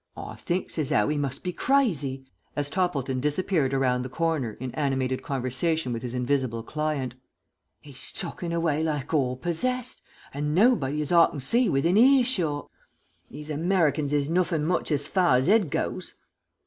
"Hi thinks as 'ow 'e must be craizy," said the janitor, as Toppleton disappeared around the corner in animated conversation with his invisible client. "E's' talkin' away like hall possessed, hand nobody as hi can see within hearshot. These Hamericans is nothink much has far as 'ead goes."